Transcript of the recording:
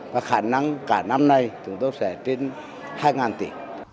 và khả năng cả năm này chúng tôi sẽ trên hai tỷ